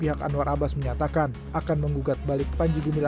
ada yang dikatakan dengan bukatan balik namanya rekompensi